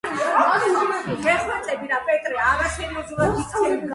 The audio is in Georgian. მისი სახე ყველა აღმოჩენილ განამარხებულ ნიმუშებს შორის უდიდესია.